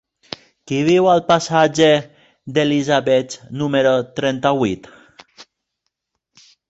Qui viu al passatge d'Elisabets número trenta-vuit?